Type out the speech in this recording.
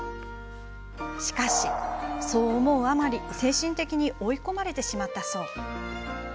しかし、そう思うあまり精神的に追い込まれてしまったそうです。